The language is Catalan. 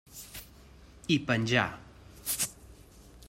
I penjà.